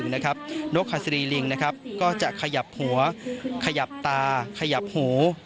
นกฮัศรีลิงก็จะขยับหัวขยับตาขยับหู